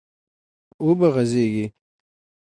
و به غځېږي،